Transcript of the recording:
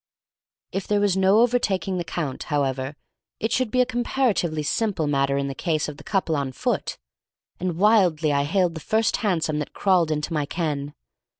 If there was no overtaking the Count, however, it should be a comparatively simple matter in the case of the couple on foot, and I wildly hailed the first hansom that crawled into my ken.